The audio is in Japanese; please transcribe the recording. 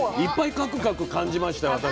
「カクカク」感じました私。